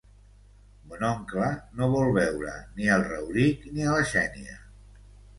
Mon oncle no vol veure ni al Rauric ni a la Xènia.